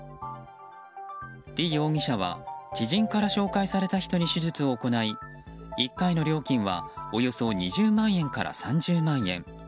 リ容疑者は、知人から紹介された人に手術を行い１回の料金はおよそ２０万円から３０万円。